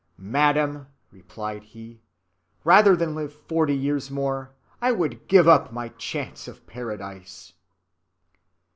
"Madam," replied he, "rather than live forty years more, I would give up my chance of Paradise."